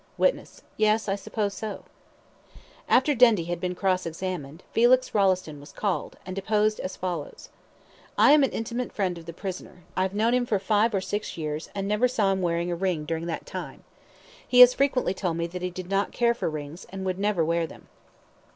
WITNESS: Yes, I suppose so After Dendy had been cross examined, Felix Rolleston was called, and deposed as follows: I am an intimate friend of the prisoner. I have known him for five or six years, and I never saw him wearing a ring during that time. He has frequently told me he did not care for rings, and would never wear them.